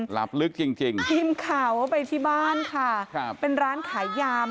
หลับเก่งพิมพ์ข่าวไปที่บ้านค่ะครับเป็นร้านขายยำ